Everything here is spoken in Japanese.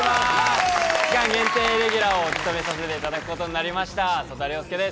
期間限定レギュラーを務めさせていただくことになりました、曽田陵介です。